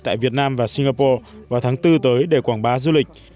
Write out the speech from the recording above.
tại việt nam và singapore vào tháng bốn tới để quảng bá du lịch